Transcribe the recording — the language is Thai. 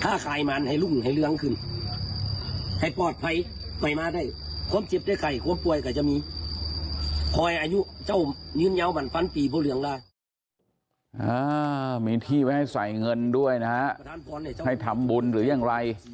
ถ้ามีที่ไว้ให้ใส่เงินด้วยนะฮะให้ทำบุญหรือยังไร